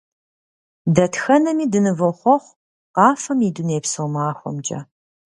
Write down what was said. Дэтхэнэми дынывохъуэхъу Къафэм и дунейпсо махуэмкӀэ!